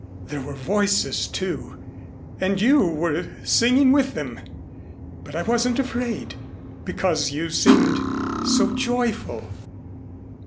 There were voices, too, and you were singing with them; but I wasn't afraid, because you seemed so joyful."